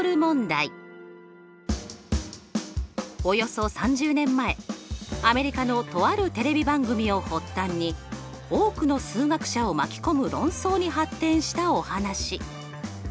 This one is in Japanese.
およそ３０年前アメリカのとあるテレビ番組を発端に多くの数学者を巻き込む論争に発展したお話。